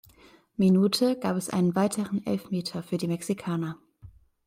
Minute gab es einen weiteren Elfmeter für die Mexikaner.